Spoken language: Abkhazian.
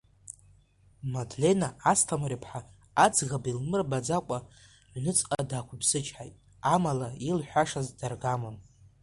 Мадлена Асҭамыр-иԥҳа, аӡӷаб илмырбаӡакәа, ҩныҵҟа даақәыԥсычҳаит, Амала, илҳәашаз даргамон.